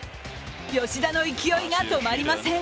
吉田の勢いが止まりません。